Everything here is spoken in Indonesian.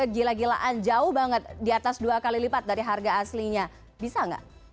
gila gilaan jauh banget di atas dua kali lipat dari harga aslinya bisa nggak